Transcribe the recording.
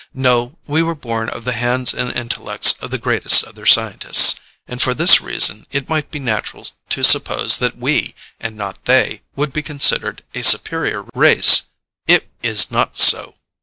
No, we were born of the hands and intellects of the greatest of their scientists, and for this reason it might be natural to suppose that we, and not they, would be considered a superior race. It is not so.